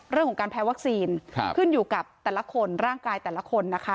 เรื่องของการแพ้วัคซีนขึ้นอยู่กับแต่ละคนร่างกายแต่ละคนนะคะ